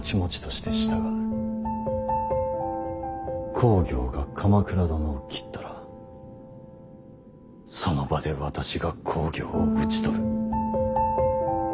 公暁が鎌倉殿を斬ったらその場で私が公暁を討ち取る。